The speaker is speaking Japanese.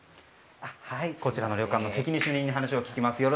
こちらの旅館の責任者の方に話を聞きます。